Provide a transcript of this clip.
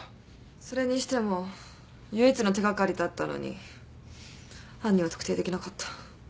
それにしても唯一の手掛かりだったのに犯人を特定できなかった。